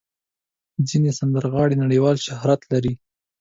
ځینې سندرغاړي نړیوال شهرت لري.